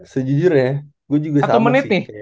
sejujurnya gue juga sama sih